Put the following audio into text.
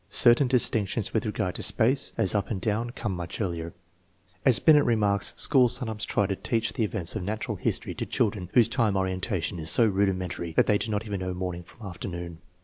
Certain distinctions with regard to space, as up and down, come much earlier. As Binet remarks, schools sometimes try to teach the events of national history to children whose time orientation is so rudimentary that they do not even know morning from afternoon